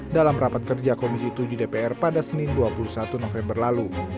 dalam rapat kerja komisi tujuh dpr pada senin dua puluh satu november lalu